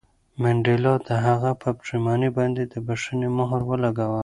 منډېلا د هغه په پښېمانۍ باندې د بښنې مهر ولګاوه.